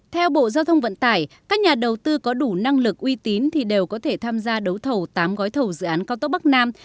theo bộ giao thông vận tải các nhà đầu tư có đủ năng lực uy tín thì đều có thể tham gia đấu thầu tám gói thầu dự án cao tốc bắc nam